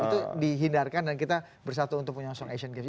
itu dihindarkan dan kita bersatu untuk menyosong asian games